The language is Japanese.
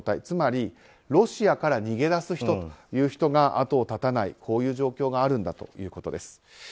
つまりロシアから逃げ出す人が後を絶たないという状況があるんだということです。